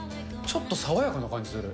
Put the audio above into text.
ちょっと爽やかな感じする。